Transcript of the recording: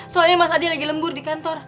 soalnya mas adi lagi lembur di kantor